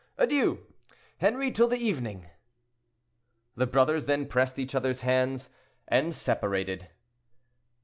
Adieu! Henri, till the evening." The brothers then pressed each other's hands, and separated.